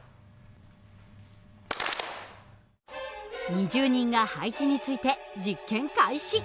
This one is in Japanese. ２０人が配置について実験開始。